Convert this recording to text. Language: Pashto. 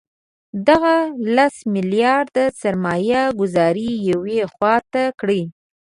دغه لس میلیارده سرمایه ګوزاري یوې خوا ته کړئ.